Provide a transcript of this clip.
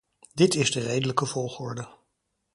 Dit is de redelijke volgorde.